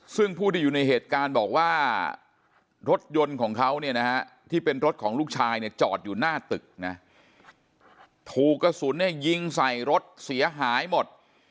ซึ่งผู้ที่อยู่ในเหตุการณ์บอกว่ารถยนต์ของเขาเนี่ยนะฮะที่เป็นรถของลูกชายเนี่ยจอดอยู่หน้าตึกนะถูกกระสุนเนี่ยยิงใส่รถเสียหายหมด